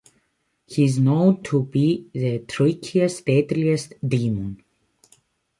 He is known to be the trickiest, deadliest demon.